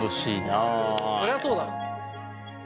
そりゃそうだろ。